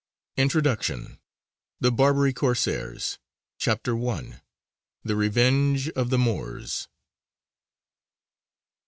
INTRODUCTION. THE BARBARY CORSAIRS. I. THE REVENGE OF THE MOORS.